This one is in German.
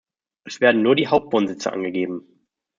Es werden nur die Hauptwohnsitze angegeben.